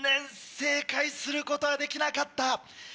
正解することはできなかった。